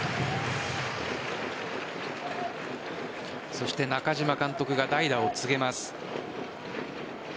そして中嶋監督が代打を告げます。